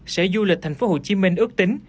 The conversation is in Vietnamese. sở du lịch thành phố hồ chí minh ước tính